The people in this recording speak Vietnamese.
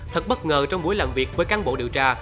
thật bất ngờ trong buổi làm việc với cán bộ điều tra